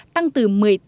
tăng từ một mươi tám tám